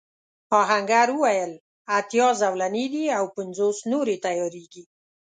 آهنګر وویل اتيا زولنې دي او پنځوس نورې تياریږي.